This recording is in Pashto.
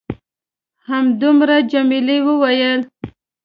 همدومره؟ جميلې وويل:.